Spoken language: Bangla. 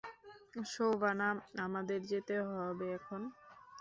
শোবানা, আমাদের যেতে হবে এখন।